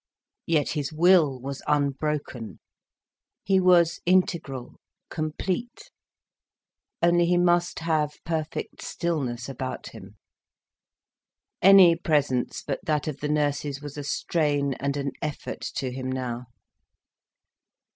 Yet his will was unbroken, he was integral, complete. Only he must have perfect stillness about him. Any presence but that of the nurses was a strain and an effort to him now.